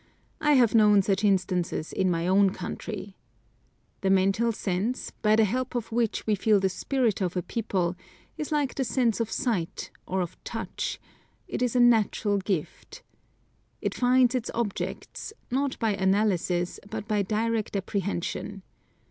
I have known such instances in my own country. The mental sense, by the help of which we feel the spirit of a people, is like the sense of sight, or of touch, it is a natural gift. It finds its objects, not by analysis, but by direct apprehension.